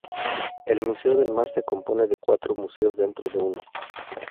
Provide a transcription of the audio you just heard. El Museo del Mar se compone de cuatro museos dentro de uno.